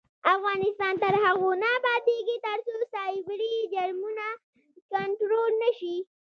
افغانستان تر هغو نه ابادیږي، ترڅو سایبري جرمونه کنټرول نشي.